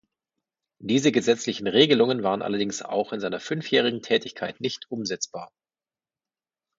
Diese gesetzlichen Regelungen waren allerdings auch in seiner fünfjährigen Tätigkeit nicht umsetzbar.